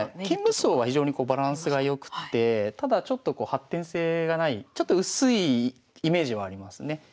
金無双は非常にバランスが良くってただちょっと発展性がないちょっと薄いイメージもありますね。